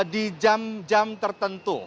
di jam jam tertentu